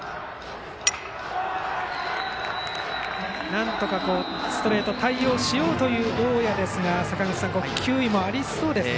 なんとかストレートに対応しようという大矢ですが、坂口さん球威もありそうですね。